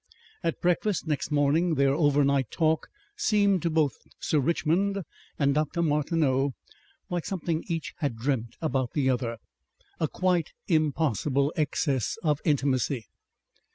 At breakfast next morning their overnight talk seemed to both Sir Richmond and Dr. Martineau like something each had dreamt about the other, a quite impossible excess of intimacy.